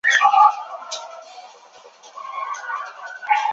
李奉三后来又调任安徽省蚌埠市中级人民法院院长。